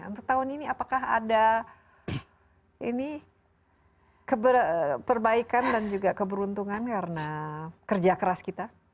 untuk tahun ini apakah ada ini perbaikan dan juga keberuntungan karena kerja keras kita